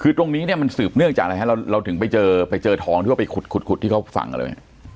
คือตรงนี้มันสืบเนื่องจากอะไรครับเราถึงไปเจอทองหรือว่าไปขุดที่เขาฟังอะไรไหม